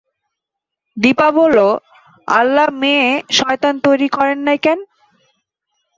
দিপা বলল, আল্লা মেয়ে-শয়তান তৈরি করেন নাই কেন?